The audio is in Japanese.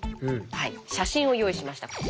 写真を用意しました。